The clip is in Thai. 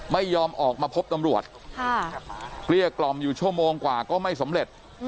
ไม่ยอมออกมาพบตำรวจเกลี้ยกล่อมอยู่ชั่วโมงกว่าก็ไม่สำเร็จ